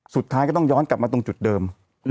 สุดท้ายก็ต้องย้อนกลับมาตรงจุดเดิม